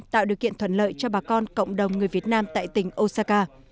tạo điều kiện thuận lợi cho bà con cộng đồng người việt nam tại tỉnh osaka